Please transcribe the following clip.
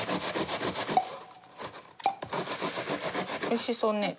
おいしそうね。